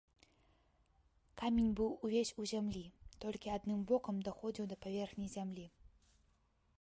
Камень быў увесь у зямлі, толькі адным бокам даходзіў да паверхні зямлі.